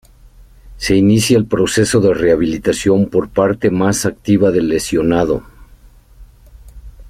Se inicia el proceso de rehabilitación por parte más activa del lesionado.